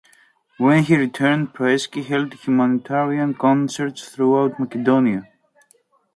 When he returned, Proeski held humanitarian concerts throughout Macedonia.